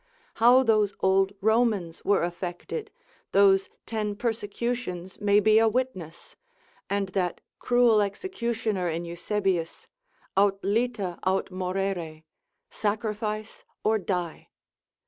How those old Romans were affected, those ten persecutions may be a witness, and that cruel executioner in Eusebius, aut lita aut morere, sacrifice or die.